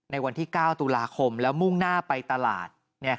วันที่๙ตุลาคมแล้วมุ่งหน้าไปตลาด